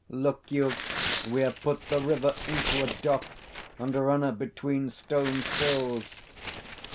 Look you, we have put the river into a dock, and run her between stone sills."